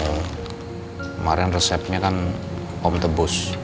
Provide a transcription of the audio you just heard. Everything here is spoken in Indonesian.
kemarin resepnya kan mobil tebus